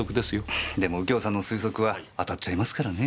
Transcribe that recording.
フッでも右京さんの推測は当たっちゃいますからね。